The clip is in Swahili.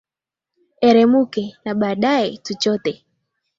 eremuke na baadaye tuchote